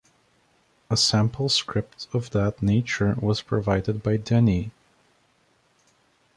A sample script of that nature was provided by Denny.